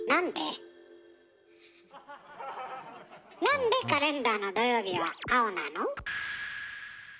なんでカレンダーの土曜日は青なの？